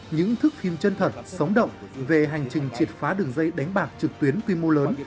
những thức phim chân thật sống động về hành trình triệt phá đường dây đánh bạc trực tuyến quy mô lớn